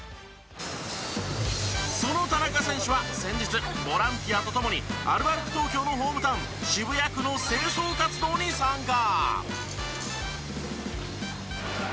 その田中選手は先日ボランティアと共にアルバルク東京のホームタウン渋谷区の清掃活動に参加。